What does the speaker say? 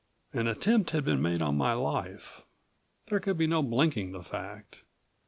An attempt had been made on my life. There could be no blinking the fact.